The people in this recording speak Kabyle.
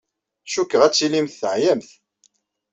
Cikkeɣ ad tilimt teɛyamt.